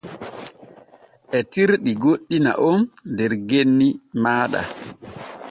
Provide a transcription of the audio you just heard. Etirɗi goɗɗi na’on der genni maaɗa.